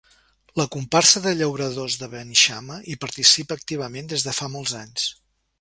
La comparsa de llauradors de Beneixama hi participa activament des de fa molts anys.